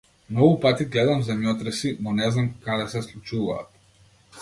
Многу пати гледам земјотреси, но не знам каде се случуваат.